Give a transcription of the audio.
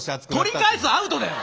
「取り返す」はアウトだよ！